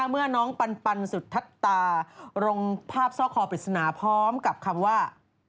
เมื่อน้องปันสุทัศตาลงภาพซ่อคอปริศนาพร้อมกับคำว่า